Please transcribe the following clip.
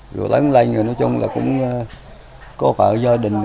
rồi lớn lên rồi nói chung là cũng có vợ gia đình